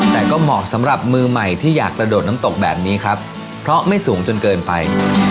แต่ก็เหมาะสำหรับมือใหม่ที่อยากกระโดดน้ำตกแบบนี้ครับเพราะไม่สูงจนเกินไป